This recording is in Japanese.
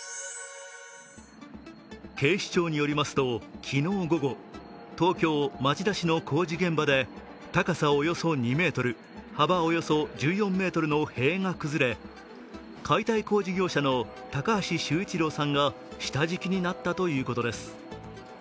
警視庁によりますと、昨日午後東京・町田市の工事現場で高さおよそ２ｍ、幅およそ１４ｍの塀が崩れ、解体工事業者の高橋修一郎さんが下敷きになったということです。